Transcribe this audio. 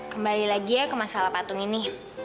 kembali lagi ya ke masalah patung ini